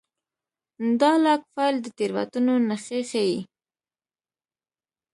دا لاګ فایل د تېروتنو نښې ښيي.